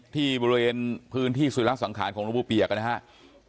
ที่บริเวณพื้นที่สุรสังขารของหลวงปู่เปียกนะครับ